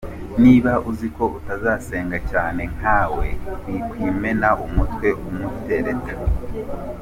Niba uziko udasenga cyane nka we wikwimena umutwe umutereta.